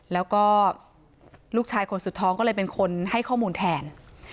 แล้วก็ลูกชายคนสุดท้องก็เลยเป็นคนให้ข้อมูลแทน